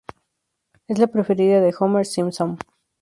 Es la preferida de Homer Simpson.